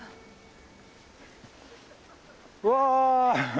うわ！